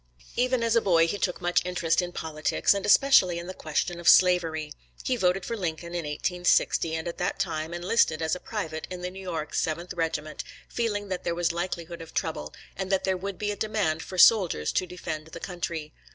Even as a boy he took much interest in politics, and especially in the question of slavery. He voted for Lincoln in 1860, and at that time enlisted as a private in the New York 7th Regiment, feeling that there was likelihood of trouble, and that there would be a demand for soldiers to defend the country.